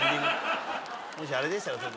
もしあれでしたら。